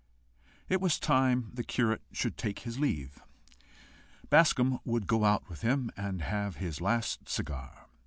It was time the curate should take his leave. Bascombe would go out with him and have his last cigar.